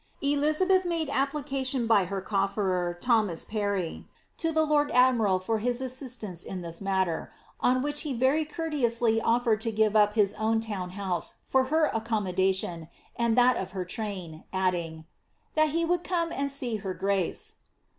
Elizabeth made application by her cofierer, Thomas rarry, to the lord admiral for his assistance in this matter, on which he very courteously offered to give up his own town house for her accom modation and that of her train/ adding, ^^ tliat he would come and see her grace."